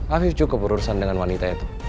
afif cukup berurusan dengan wanita itu